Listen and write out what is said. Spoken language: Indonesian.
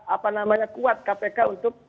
apa namanya kuat kpk untuk